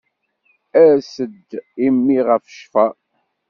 Ers-d i mmi ɣef ccfer.